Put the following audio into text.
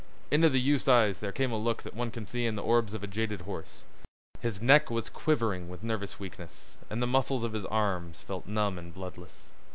Into the youth's eyes there came a look that one can see in the orbs of a jaded horse. His neck was quivering with nervous weakness and the muscles of his arms felt numb and bloodless.